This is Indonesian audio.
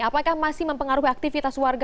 apakah masih mempengaruhi aktivitas warga